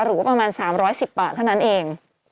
หรือว่าประมาณ๓๑๐บาทเท่านั้นเอง